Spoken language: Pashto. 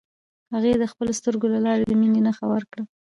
هغې د خپلو سترګو له لارې د مینې نښه ورکړه.